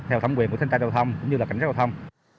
theo thẩm quyền của thanh tra châu thông cũng như cảnh sát châu thông